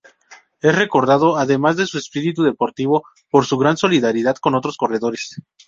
Es recordado, además de su espíritu deportivo, por su gran solidaridad con otros corredores.